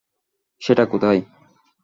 সেটা কোথায়?